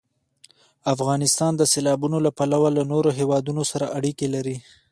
افغانستان د سیلابونو له پلوه له نورو هېوادونو سره اړیکې لري.